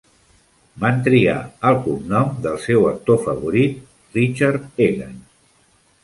Van triar el cognom del seu actor favorit, Richard Egan.